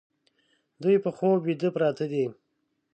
دوی په خوب ویده پراته دي